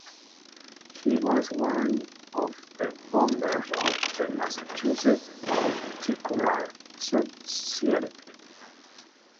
He was one of the founders of the Massachusetts Horticultural Society.